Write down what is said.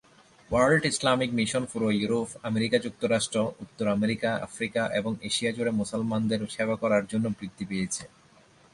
World Islamic mission পুরো Europe, America যুক্তরাষ্ট্র, উত্তর আমেরিকা, আফ্রিকা এবং এশিয়া জুড়ে মুসলমানদের সেবা করার জন্য বৃদ্ধি পেয়েছে।